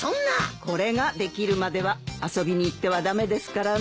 これができるまでは遊びに行っては駄目ですからね。